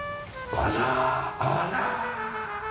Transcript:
あら。